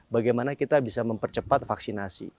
bagaimana kita bisa mempercepat vaksinasi